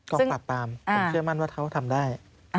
กองปราบปรามผมเชื่อมั่นว่าเขาทำได้